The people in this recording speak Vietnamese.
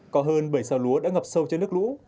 có hơn bảy xào lúa đã ngập sâu trên nước lũ